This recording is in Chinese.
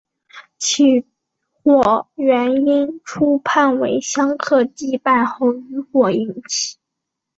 起火原因初判为香客祭拜后余火引起。